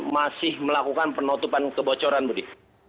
masih melakukan penutupan kebocoran budi